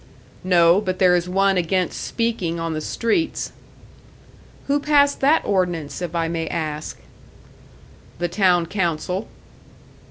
"No; but there is one against speaking on the streets." "Who passed that ordinance, if I may ask?" "The town council."